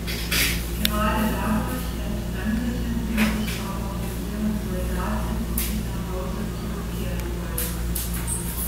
Gerade dadurch entfremdeten sie sich aber von ihren Soldaten, die nach Hause zurückkehren wollten.